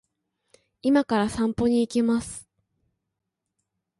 今から散歩に行きます